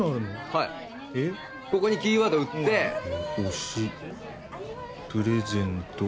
はいここにキーワード打って推しプレゼント